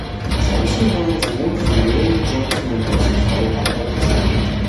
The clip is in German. Johnson war ein Sohn von William Johnson und dessen Frau Margaret Sherwood.